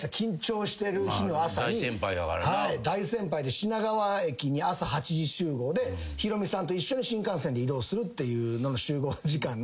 品川駅に朝８時集合でヒロミさんと一緒の新幹線で移動するっていうのの集合時間。